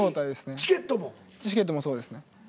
チケットもそうですね。